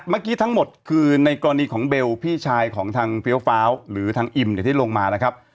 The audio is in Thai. เมื่อกี้ทั้งหมดคือในกรณีของเบลพี่ชายของทางเฟี้ยวฟ้าวหรือทางอิมที่ลงมานะครับ